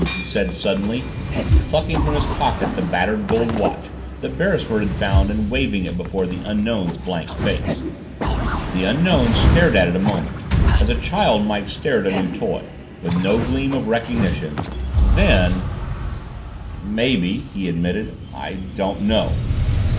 he said suddenly, plucking from his pocket the battered gold watch that Beresford had found and waving it before the Unknown's blank face. The Unknown stared at it a moment, as a child might stare at a new toy, with no gleam of recognition. Then "Maybe," he admitted. "I don't know."